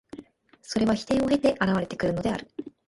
それは否定を経て現れてくるのである。